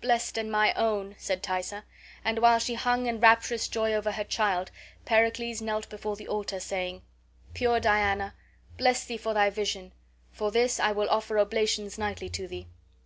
"Blessed and my own!" said Thaisa. And while she hung in rapturous joy over her child Pericles knelt before the altar, saying: "Pure Diana, bless thee for thy vision. For this I will offer oblations nightly to thee."